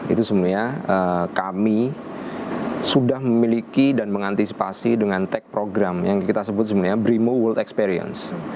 itu sebenarnya kami sudah memiliki dan mengantisipasi dengan tag program yang kita sebut sebenarnya brimo world experience